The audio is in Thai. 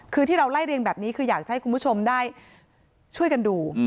คือที่เราไล่เรียงแบบนี้คืออยากจะให้คุณผู้ชมได้ช่วยกันดู